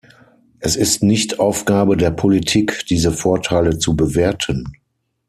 Es ist nicht Aufgabe der Politik, diese Vorteile zu bewerten.